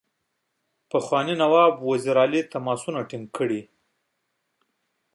پخواني نواب وزیر علي تماسونه ټینګ کړي.